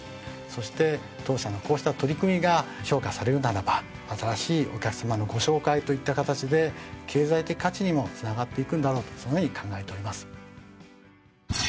そして当社のこうした取り組みが評価されるならば新しいお客さまのご紹介といった形で経済的価値にもつながっていくんだろうとそのように考えております。